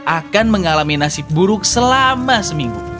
akan mengalami nasib buruk selama seminggu